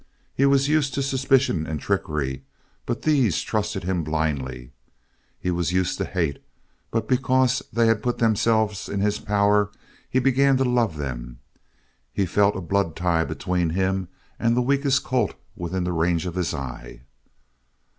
He was used to suspicion and trickery but these trusted him blindly. He was used to hate, but because they had put themselves into his power he began to love them. He felt a blood tie between him and the weakest colt within the range of his eye.